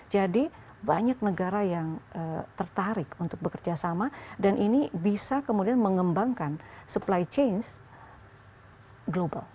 jadi banyak negara yang tertarik untuk bekerjasama dan ini bisa kemudian mengembangkan supply chains global